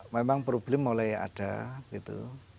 memang problem mulai ada gitu